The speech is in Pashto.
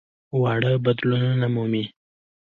واړه بدلونونه مومي.